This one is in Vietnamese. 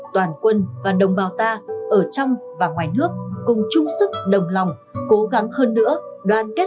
toàn quân và đồng bào ta ở trong và ngoài nước cùng chung sức đồng lòng cố gắng hơn nữa đoàn kết